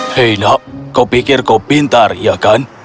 hei nak kau pikir kau pintar iya kan